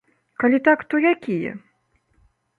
Калі так, то якія?